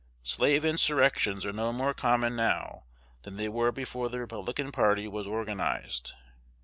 Slave insurrections are no more common now than they were before the Republican party was organized.